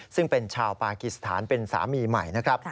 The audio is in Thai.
ซึ่งเป็นชาวปากิสถานเป็นสามีใหม่